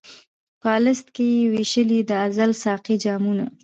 په الست کي یې وېشلي د ازل ساقي جامونه